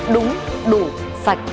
đúng đủ sạch